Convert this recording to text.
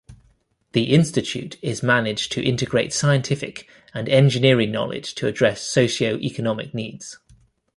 The institute is managed to integrate scientific and engineering knowledge to address socio-economic needs.